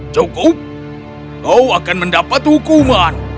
cukup kau akan mendapat hukuman